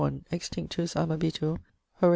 Extinctus amabitur. HORAT.